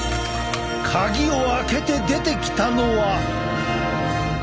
鍵を開けて出てきたのは。